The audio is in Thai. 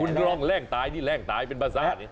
คุณลองแร่งตายนี่แรงตายเป็นภาษานี่